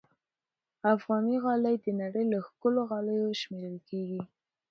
افغاني غالۍ د نړۍ له ښکلو غالیو شمېرل کېږي.